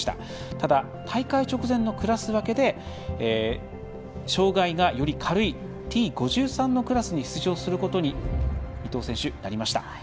ただ、大会直前のクラス分けで障がいがより軽いＴ５３のクラスに出場することに伊藤選手、なりました。